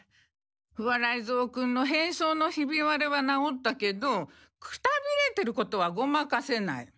不破雷蔵君の変装のヒビ割れはなおったけどくたびれてることはごまかせない。